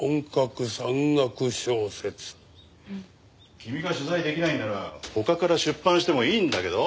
君が取材できないんなら他から出版してもいいんだけど。